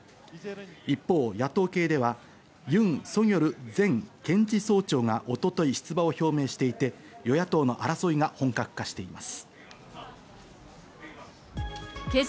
一方、野党系ではユン・ソギョル前検事総長が一昨日出馬を表明していて、与野党の争いが本格化しています。